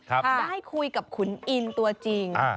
ได้คุยกับขุนอินตัวจริง